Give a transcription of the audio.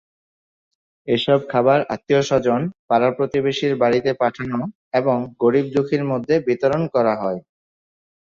এসব খাবার আত্মীয়স্বজন, পাড়া-প্রতিবেশীর বাড়িতে পাঠানো এবং গরিব-দুঃখীর মধ্যে বিতরণ করা হয়।